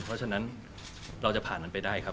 เพราะฉะนั้นเราจะผ่านนั้นไปได้ครับ